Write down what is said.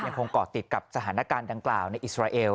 คงเกาะติดกับสถานการณ์ดังกล่าวในอิสราเอล